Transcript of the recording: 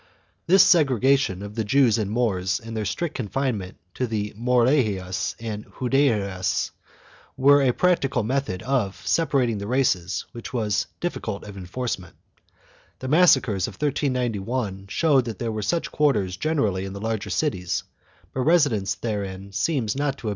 3 This segregation of the Jews and Moors and their strict con finement to the Morerias and Juderias were a practical method of separating the races which was difficult of enforcement. The massacres of 1391 showed that there were such quarters generally in the larger cities, but residence therein seems not to have been 1 Cortes de los antiguos Reinos, II, 311, 322 8.